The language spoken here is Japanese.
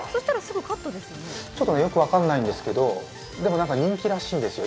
ちょっとよく分からないんですけど、人気らしいんですよ。